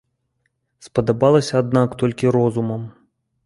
Спадабалася аднак толькі розумам.